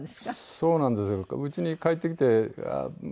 そうなんですよ。